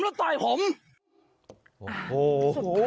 เดี๋ยวพี่มึง